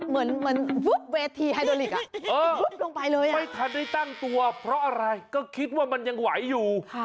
ไม่ทันได้ตั้งตัวเพราะอะไรก็คิดว่ามันยังหวายอยู่